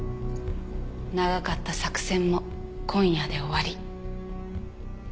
長かった作戦も今夜で終わり。